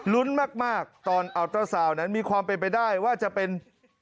รุ้นมากตอนอัลเตอร์ซาวน์นั้นมีความเป็นไปได้ว่าจะเป็น